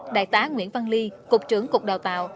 đại tá nguyễn văn ly cục trưởng cục đào tạo